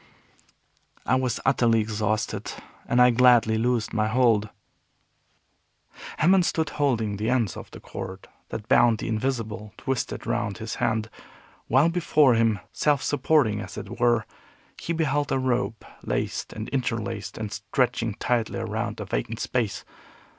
I was utterly exhausted, and I gladly loosed my hold. Hammond stood holding the ends of the cord that bound the Invisible, twisted round his hand, while before him, self supporting as it were, he beheld a rope laced and interlaced, and stretching tightly around a vacant space.